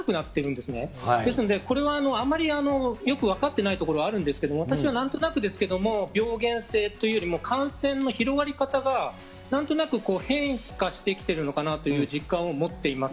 ですので、これはあまりよく分かってないところはあるんですけれども、私はなんとなくですけれども、病原性というよりも感染の広がり方が、なんとなく変化してきているのかなという実感を持っています。